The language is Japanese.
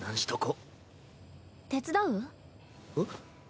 えっ？